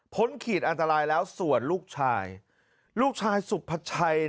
ขีดอันตรายแล้วส่วนลูกชายลูกชายสุภาชัย